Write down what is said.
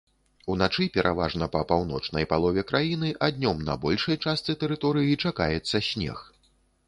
Уначы пераважна па паўночнай палове краіны, а днём на большай частцы тэрыторыі чакаецца снег.